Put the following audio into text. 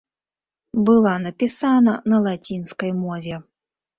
Была напісана на лацінскай мове.